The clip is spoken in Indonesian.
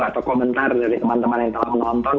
atau komentar dari teman teman yang telah menonton